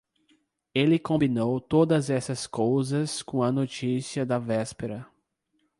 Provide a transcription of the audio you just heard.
Ele combinou todas essas cousas com a notícia da véspera.